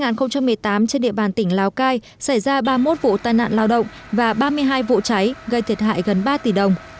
năm hai nghìn một mươi tám trên địa bàn tỉnh lào cai xảy ra ba mươi một vụ tai nạn lao động và ba mươi hai vụ cháy gây thiệt hại gần ba tỷ đồng